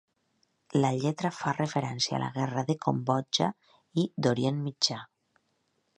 La lletra fa referència a la guerra de Cambodja i d'Orient Mitjà.